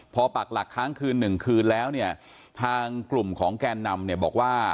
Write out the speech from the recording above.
พอปักหลักค้างคืนหนึ่งคืนแล้วเนี่ยทางกลุ่มของแกนนำเนี่ยบอกว่า